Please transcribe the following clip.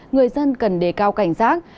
người dân cần đề cao cảnh giác